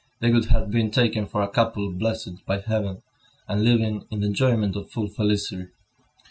They would have been taken for a couple blessed by heaven, and living in the enjoyment of full felicity.